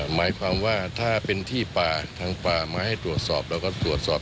หมายความว่าถ้าเป็นที่ป่าทางป่ามาให้ตรวจสอบเราก็ตรวจสอบ